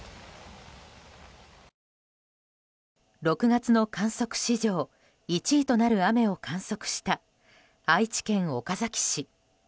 ６月の観測史上１位となる雨を観測した愛知県岡崎市。